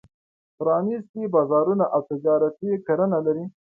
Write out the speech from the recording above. پرانېستي بازارونه او تجارتي کرنه لري.